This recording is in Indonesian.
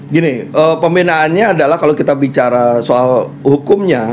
gini pembinaannya adalah kalau kita bicara soal hukumnya